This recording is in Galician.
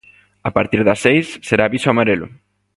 A partir das seis será aviso amarelo.